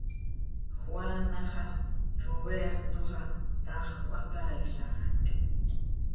Juana xah, Roberto xah, taax cöhacaailajc.